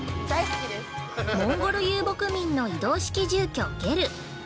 ◆モンゴル遊牧民の移動式住居、ゲル。